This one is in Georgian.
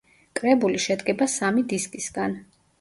კრებული შედგება სამი დისკისგან.